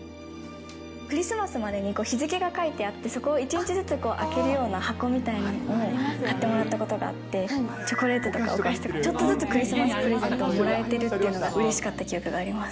クリスマスまでに日付が書いてあって、そこを１日ずつ開けるような箱みたいなのを買ってもらったことがあって、チョコレートとかお菓子とか、ちょっとずつクリスマスプレゼントをもらえてるっていうのがうれしかった記憶があります。